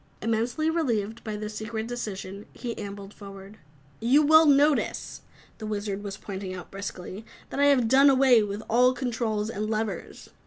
Immensely relieved by this secret decision, he ambled forward. "You will notice," the Wizard was pointing out briskly, "that I have done away with all controls and levers.